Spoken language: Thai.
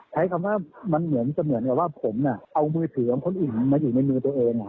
ใช้คำว่ามันเหมือนจะเหมือนกับว่าผมเอามือถือของคนอื่นมาอยู่ในมือตัวเอง